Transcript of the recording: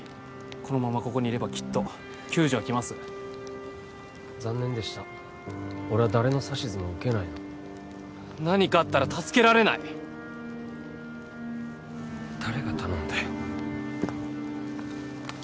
このままここにいればきっと救助が来ます残念でした俺は誰の指図も受けないの何かあったら助けられない誰が頼んだよ